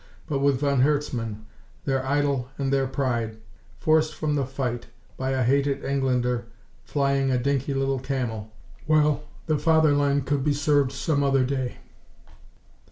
But with von Herzmann, their idol and their pride, forced from the fight by a hated Englander flying a dinky little Camel well, the Fatherland could be served some other day.